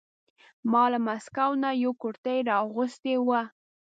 ما له مسکو نه یوه کرتۍ را اغوستې وه.